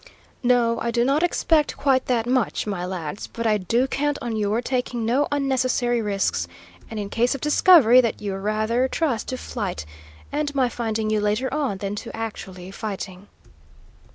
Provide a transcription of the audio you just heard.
"No; I do not expect quite that much, my lads; but I do count on your taking no unnecessary risks, and in case of discovery that you rather trust to flight, and my finding you later on, than to actually fighting."